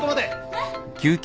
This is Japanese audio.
えっ？